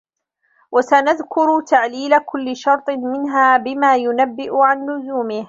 وَسَنَذْكُرُ تَعْلِيلَ كُلِّ شَرْطٍ مِنْهَا بِمَا يُنَبِّئُ عَنْ لُزُومِهِ